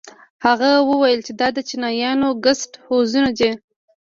هغه وويل چې دا د چينايانو ګسټ هوزونه دي.